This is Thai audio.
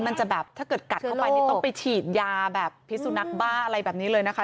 มันจะแบบถ้าเกิดกัดเข้าไปนี่ต้องไปฉีดยาแบบพิสุนักบ้าอะไรแบบนี้เลยนะคะ